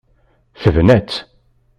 Tebna-tt.